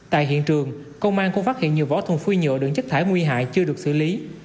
tại hiện trường công an cũng phát hiện nhiều vỏ thùng phi nhựa đựng chất thải nguy hại chưa được xử lý